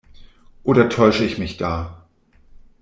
Oder täusche ich mich da?